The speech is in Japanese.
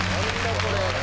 これ。